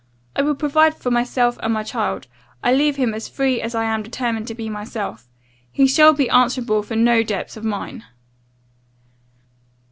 I will provide for myself and child. I leave him as free as I am determined to be myself he shall be answerable for no debts of mine.